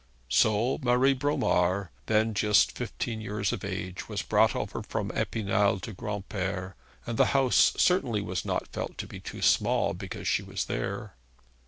So Marie Bromar, then just fifteen years of age, was brought over from Epinal to Granpere, and the house certainly was not felt to be too small because she was there.